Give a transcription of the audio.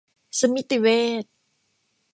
สมิติเวช